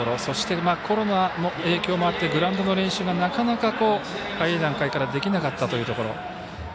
そして、コロナの影響もあってグラウンドでの練習がなかなか早い段階からできなかったというところ。